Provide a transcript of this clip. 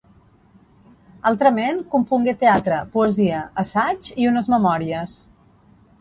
Altrament, compongué teatre, poesia, assaigs i unes memòries.